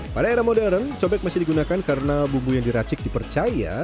pada era modern cobek masih digunakan karena bumbu yang diracik dipercaya